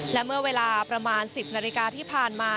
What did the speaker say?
และเมื่อเวลาประมาณ๑๐นาฬิกาที่ผ่านมา